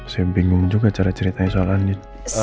saya bingung juga cara ceritanya soal angin